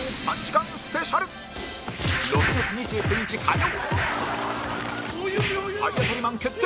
６月２９日火曜